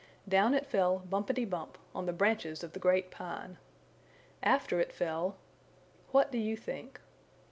Down it fell bumpity bump on the branches of the Great Pine. After it fell what do you think?